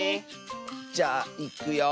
じゃあいくよ。